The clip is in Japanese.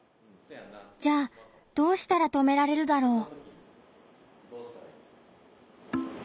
じゃあどうしたら止められるだろう？